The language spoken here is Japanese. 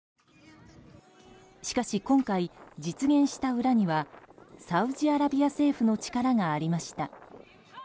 しかし今回、実現した裏にはサウジアラビア政府の力がありました。